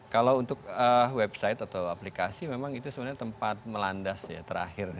kalau untuk website atau aplikasi memang itu sebenarnya tempat melandas ya terakhir